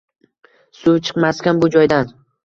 Suv chiqmaskan bu joydan